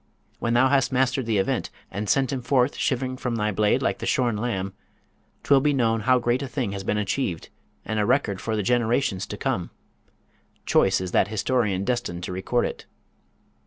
When thou hast mastered the Event, and sent him forth shivering from thy blade like the shorn lamb, 'twill be known how great a thing has been achieved, and a record for the generations to come; choice is that historian destined to record it!'